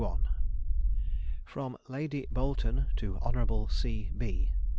_From Lady Boleton to Honourable C.